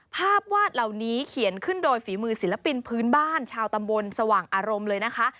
ภาพวาดเหล่านี้เขียนขึ้นโดยฝีมือศิลปินพื้นบ้านชาวตำบลสว่างอารมณ์เลยนะคะ